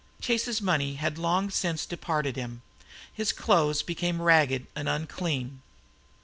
Chase's money had long since departed from him. His clothes became ragged and unclean.